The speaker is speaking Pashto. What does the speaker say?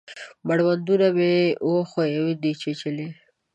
مړوندونه مې وښیو دی چیچلي